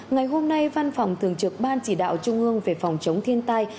ngày hôm nay văn phòng thường trực ban chỉ đạo trung ương về phòng chống thiên tai